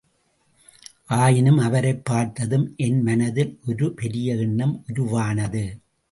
ஆயினும் அவரைப் பார்த்ததும் என்மனதில் ஒரு பெரிய எண்ணம் உருவானது.